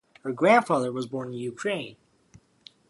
Her grandfather was born in Ukraine.